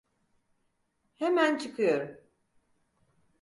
Hemen çıkıyorum.